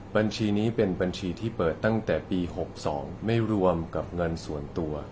บัญชีนี้เป็นบัญชีที่เปิดตั้งแต่ปี๖๒ไม่รวมกับเงินส่วนตัว